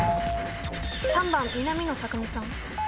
３番南野拓実さん。